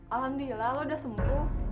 alhamdulillah lo udah sembuh